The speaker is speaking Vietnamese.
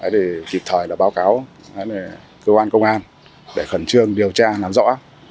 để kịp thời báo cáo cơ quan công an để khẩn trương điều tra làm rõ